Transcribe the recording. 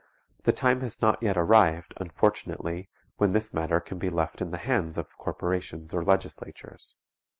The time has not yet arrived, unfortunately, when this matter can be left in the hands of corporations or legislatures.